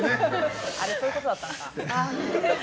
あれ、そういうことだったのか。